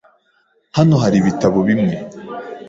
Hano hari ibitabo bimwe .